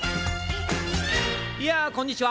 いやこんにちは。